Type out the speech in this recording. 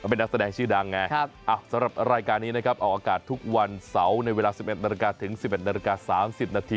เป็นนักแสดงชื่อดังไงครับสำหรับรายการนี้นะครับออกอากาศทุกวันเสาร์ในเวลา๑๑นถึง๑๑น๓๐น